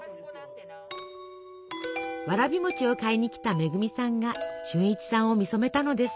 わらび餅を買いにきた恵さんが俊一さんを見初めたのです。